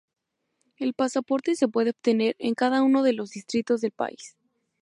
El pasaporte se puede obtener en cada uno de los distritos del país.